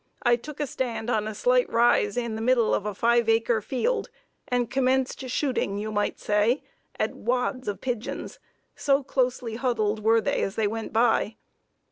I took a stand on a slight rise in the middle of a five acre field and commenced shooting, you might say, at wads of pigeons, so closely huddled were they as they went by.